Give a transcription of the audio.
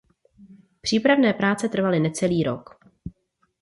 Přípravné práce trvaly necelý rok.